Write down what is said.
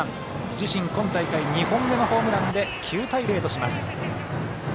自身今大会２本目のホームランで９対０とします。